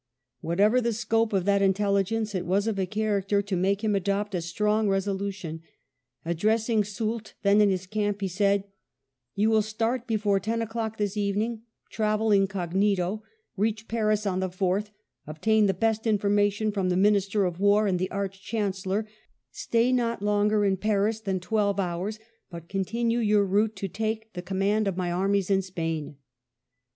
Whatever the scope of that intelligence, it was of a character to make him adopt a strong resolu tion. Addressing Soult, then in his camp, he said, " You will start before ten o'clock this evening, travel incognito, reach Paris on the 4th, obtain the best information from the Minister of War and the Arch Chancellor ; stay not longer in Paris than twelve hours, but continue your route to take the command of my armies in Spain."